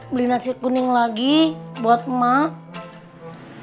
beli nasi kuning lagi buat emak